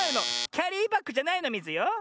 キャリーバッグじゃないのミズよ。